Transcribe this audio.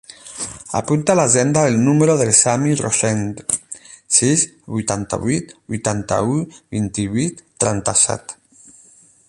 Apunta a l'agenda el número del Sami Rosende: sis, vuitanta-vuit, vuitanta-u, vint-i-vuit, trenta-set.